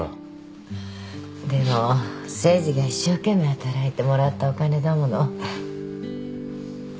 でも誠治が一生懸命働いてもらったお金だもの。